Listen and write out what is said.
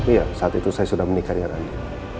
iya saat itu saya sudah menikah dengan andi